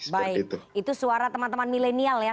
baik itu suara teman teman milenial ya